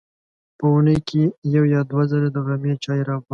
په اوونۍ کې یو یا دوه ځله د غرمې چای لپاره.